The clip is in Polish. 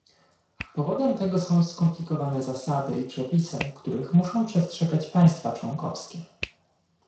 Powodem tego są skomplikowane zasady i przepisy, których muszą przestrzegać państwa członkowskie